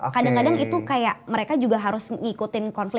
kadang kadang itu kayak mereka juga harus ngikutin konflik kepentingan itu gitu loh